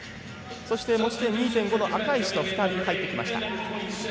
そして、持ち点２．５の赤石と２人入ってきました。